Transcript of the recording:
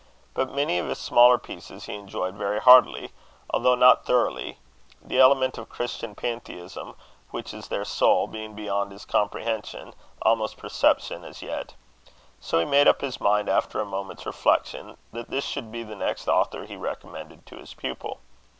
But many of his smaller pieces he enjoyed very heartily, although not thoroughly the element of Christian Pantheism, which is their soul, being beyond his comprehension, almost perception, as yet. So he made up his mind, after a moment's reflection, that this should be the next author he recommended to his pupil.